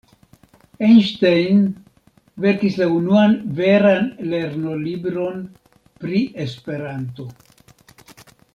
Einstein verkis la unuan veran lernolibron pri Esperanto.